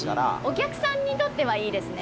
お客さんにとってはいいですね。